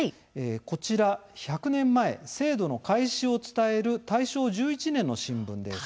こちら、１００年前制度の開始を伝える大正１１年の新聞です。